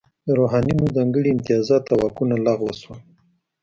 د روحانینو ځانګړي امتیازات او واکونه لغوه شول.